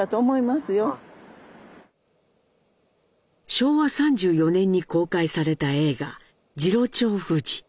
昭和３４年に公開された映画「次郎長富士」。